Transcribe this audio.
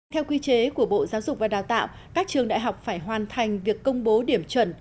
theo quy chế của bộ giáo dục và đào tạo các trường đại học phải hoàn thành việc công bố điểm chuẩn